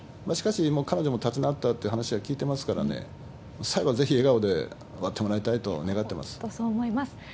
しかし、彼女も立ち直ったって話は聞いてますからね、最後はぜひ笑顔で終わってもらいたいと願っています。